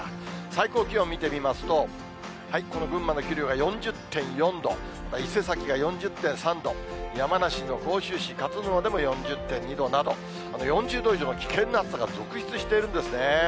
最高気温見てみますと、この群馬の桐生が４０．４度、伊勢崎が４０．３度、山梨の甲州市勝沼でも４０．２度など、４０度以上の危険な暑さが続出しているんですね。